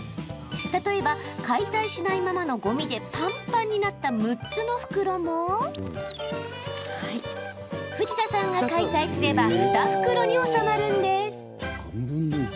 例えば、解体しないままのごみでぱんぱんになった６つの袋も藤田さんが解体すれば２袋に収まるんです。